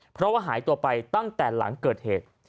เพราะว่าหายตัวไปตั้งแต่หลังเกิดเหตุ